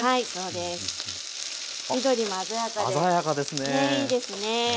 ねえいいですね。